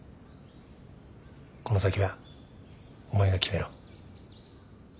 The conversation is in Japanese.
この先はお前が決めろ。